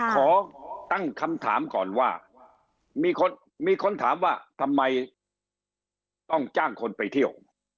ขอตั้งคำถามก่อนว่ามีคนถามว่าทำไมต้องจ้างคนไปเที่ยว